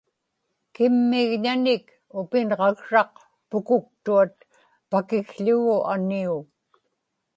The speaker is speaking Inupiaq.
kimmigñanik upinġaksraq pukuktuat pakikł̣ugu aniu